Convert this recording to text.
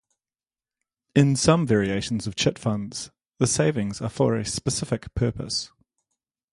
In some variations of chit funds, the savings are for a specific purpose.